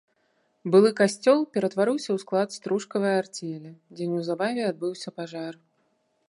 Былы касцёл ператварыўся ў склад стружкавай арцелі, дзе неўзабаве адбыўся пажар.